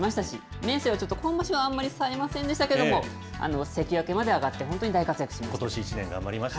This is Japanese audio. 明生はちょっと今場所はあんまりさえませんでしたけれども、関脇まで上がって、本当に大活躍しました。